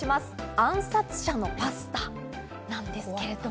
暗殺者のパスタなんですけれども。